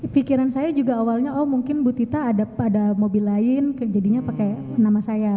pikiran saya juga awalnya oh mungkin bu tita ada pada mobil lain jadinya pakai nama saya